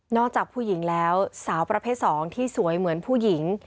จากผู้หญิงแล้วสาวประเภท๒ที่สวยเหมือนผู้หญิง